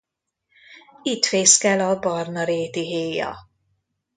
Itt fészkel a barna rétihéja.